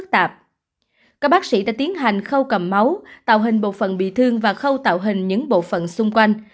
các bác sĩ đã tiến hành khâu cầm máu tạo hình bộ phần bị thương và khâu tạo hình những bộ phận xung quanh